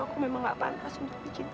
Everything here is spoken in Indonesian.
aku memang gak pantas untuk dicinta